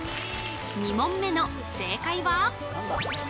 ２問目の正解は？